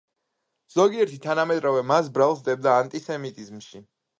ზოგიერთი თანამედროვე მას ბრალს სდებდა ანტისემიტიზმში.